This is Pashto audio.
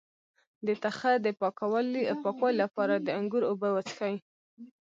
د تخه د پاکوالي لپاره د انګور اوبه وڅښئ